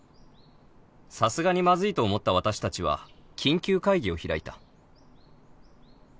さすがにまずいと思った私たちは緊急会議を開いた